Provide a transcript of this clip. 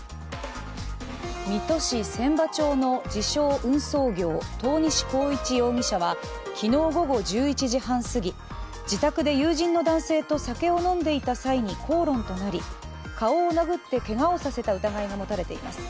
水戸市千波町の自称・運送業、遠西幸一容疑者は昨日午後１１時半すぎ、自宅で友人の男性と酒を飲んでいた際に口論となり顔を殴ってけがをさせた疑いがもたれています。